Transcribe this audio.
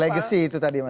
legacy itu tadi mas